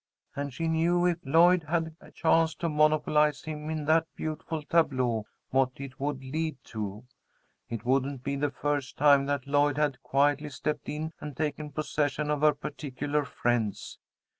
And she knew, if Lloyd had a chance to monopolize him in that beautiful tableau, what it would lead to. It wouldn't be the first time that Lloyd had quietly stepped in and taken possession of her particular friends.